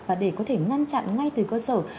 và để có thể ngăn chặn ngay từ cơ sở